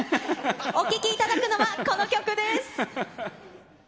お聴きいただくのは、この曲です。